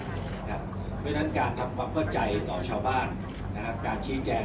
เพราะฉะนั้นการทำความเข้าใจต่อชาวบ้านการชี้แจง